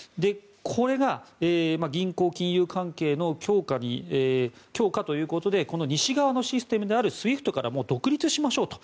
これが銀行・金融関係の強化ということでこの西側のシステムであるＳＷＩＦＴから独立しましょうと